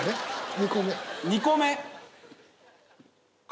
２個目。